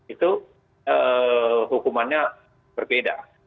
itu hukumannya berbeda